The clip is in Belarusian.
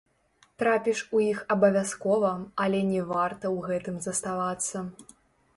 Трапіш у іх абавязкова, але не варта ў гэтым заставацца.